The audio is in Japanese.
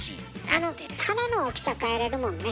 あの鼻の大きさ変えれるもんね。